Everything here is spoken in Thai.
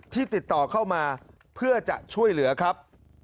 ติดต่อเข้ามาเพื่อจะช่วยเหลือครับ